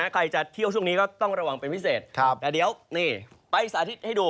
ใครจะเที่ยวช่วงนี้ก็ต้องระวังเป็นพิเศษแต่เดี๋ยวนี่ไปสาธิตให้ดู